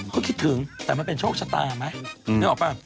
ก็คิดถึงแต่มันเป็นโชคชะตาไหมนึกออกป่ะ